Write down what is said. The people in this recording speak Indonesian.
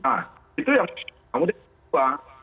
nah itu yang